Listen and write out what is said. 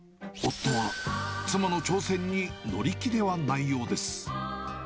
夫は妻の挑戦に乗り気ではないようです。